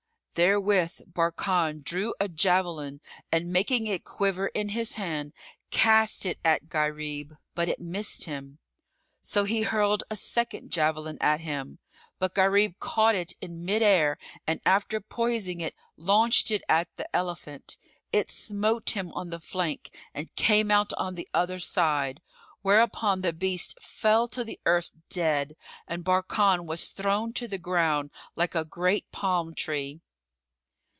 Therewith Barkan drew a javelin and making it quiver[FN#40] in his hand, cast it at Gharib; but it missed him. So he hurled a second javelin at him; but Gharib caught it in mid air and after poising it launched it at the elephant. It smote him on the flank and came out on the other side, whereupon the beast fell to the earth dead and Barkan was thrown to the ground, like a great palm tree.